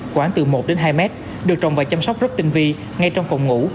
khoảng từ một đến hai mét được trồng và chăm sóc rất tinh vi ngay trong phòng ngủ